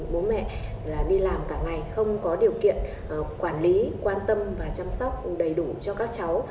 bố mẹ là đi làm cả ngày không có điều kiện quản lý quan tâm và chăm sóc đầy đủ cho các cháu